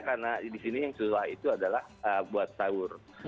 karena di sini yang susah itu adalah buat sahur